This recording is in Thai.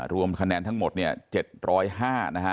รวมคะแนนทั้งหมดเนี่ย๗๐๕นะฮะ